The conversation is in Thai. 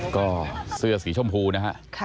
ก็เสื้อสีชมพูนะฮะ